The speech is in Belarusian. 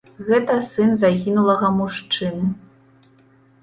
Гэта сын загінулага мужчыны.